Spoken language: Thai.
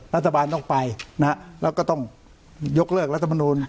รัฐบาลต้องไปแล้วก็ต้องยกเลิกรัฐมนูล